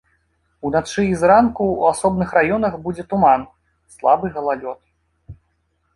Уначы і зранку ў асобных раёнах будзе туман, слабы галалёд.